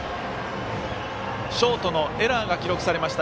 ショートのエラーが記録されました。